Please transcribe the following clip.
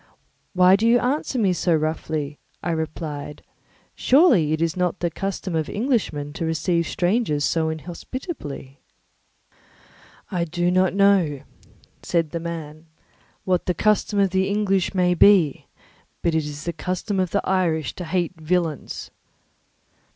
"Why do you answer me so roughly?" I replied. "Surely it is not the custom of Englishmen to receive strangers so inhospitably." "I do not know," said the man, "what the custom of the English may be, but it is the custom of the Irish to hate villains."